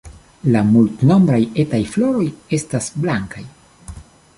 La multnombraj etaj floroj estas blankaj.